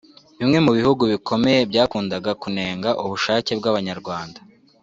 Bimwe mu bihugu bikomeye byakundaga kunenga ubushake bw’Abanyarwanda